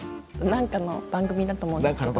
何かの番組だと思うんですけど。